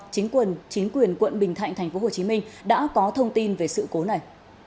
chính quyền quận bình thạnh tp hcm đã có thông tin về sự cố này